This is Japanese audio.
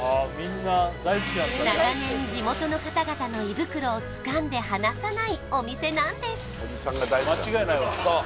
長年地元の方々の胃袋をつかんで離さないお店なんです